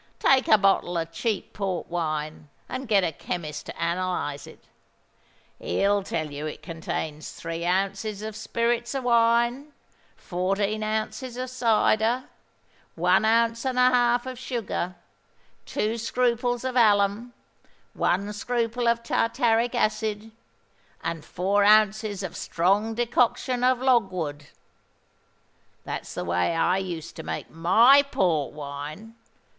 Take a bottle of cheap Port wine, and get a chemist to analyse it: he'll tell you it contains three ounces of spirits of wine, fourteen ounces of cyder, one ounce and a half of sugar, two scruples of alum, one scruple of tartaric acid, and four ounces of strong decoction of logwood. That's the way I used to make my Port wine.